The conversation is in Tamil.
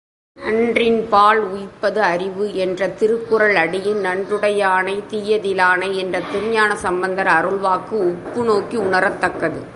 நன்றின்பால் உய்ப்பது அறிவு என்ற திருக்குறள் அடியின் நன்றுடையானை தீயதிலானை என்ற திருஞான சம்பந்தர் அருள்வாக்கு ஒப்புநோக்கி உணரத்தக்கது.